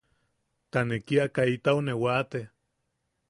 Ta ne kia kaitau ne waate.